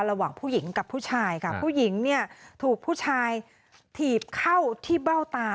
ระหว่างผู้หญิงกับผู้ชายค่ะผู้หญิงเนี่ยถูกผู้ชายถีบเข้าที่เบ้าตา